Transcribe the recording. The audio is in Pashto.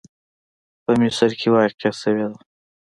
په مسیر کې واقع شوې وه.